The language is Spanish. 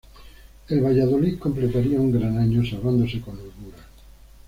El Valladolid completaría un gran año salvándose con holgura.